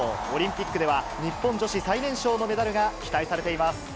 オリンピックでは、日本女子最年少のメダルが期待されています。